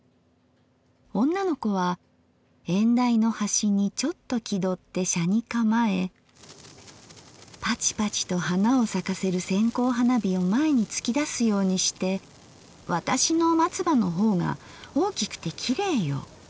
女の子は縁台の端にちょっと気取って斜にかまえパチパチと花を咲かせる線香花火を前につき出すようにして『私の松葉の方が大きくてきれいよ』